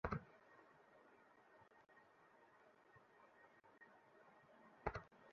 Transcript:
যদি আমরা জংগলি বিড়াল হই তাহলে আমাদের লিডার কি হবে?